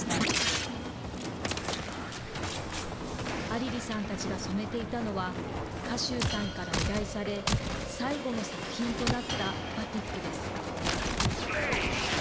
アリリさんたちが染めていたのは、賀集さんから依頼され、最後の作品となったバティックです。